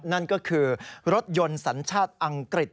นั่นก็คือรถยนต์สัญชาติอังกฤษ